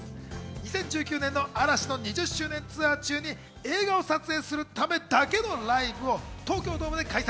２０１９年の嵐の２０周年ツアー中に映画を撮影するためだけのライブを東京ドームで開催。